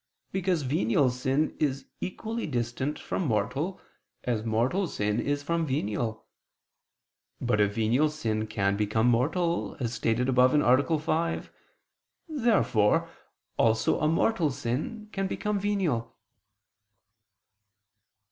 Because venial sin is equally distant from mortal, as mortal sin is from venial. But a venial sin can become mortal, as stated above (A. 5). Therefore also a mortal sin can become venial.